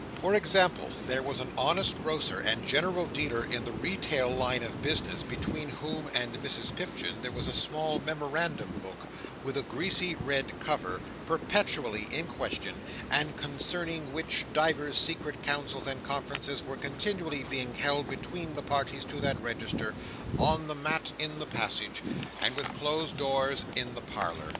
For example, there was an honest grocer and general dealer in the retail line of business, between whom and Mrs Pipchin there was a small memorandum book, with a greasy red cover, perpetually in question, and concerning which divers secret councils and conferences were continually being held between the parties to that register, on the mat in the passage, and with closed doors in the parlour.